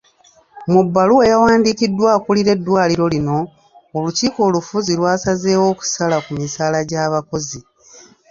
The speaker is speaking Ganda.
Mu bbaluwa eyawandiikiddwa akulira eddwaliro lino, olukiiko olufuzi lwasazeewo okusala ku misala gy'abakozi.